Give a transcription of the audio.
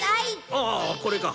ああこれか。